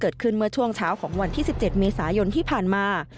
เกิดขึ้นเมื่อช่วงเช้าของวันที่๑๗เมษายนที่ผ่านมา